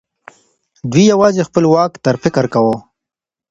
دوی يوازې خپل واک ته فکر کاوه.